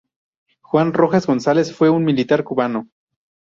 Juan Rojas González fue un militar cubano.